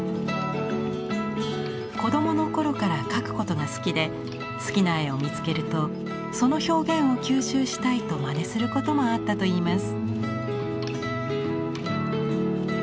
子供の頃から描くことが好きで好きな絵を見つけるとその表現を吸収したいとまねすることもあったといいます。